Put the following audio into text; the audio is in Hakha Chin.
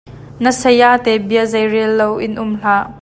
Na sayate bia zei rel lo in um hlah.